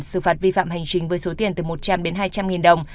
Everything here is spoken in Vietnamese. xử phạt vi phạm hành chính với số tiền từ một trăm linh đến hai trăm linh đồng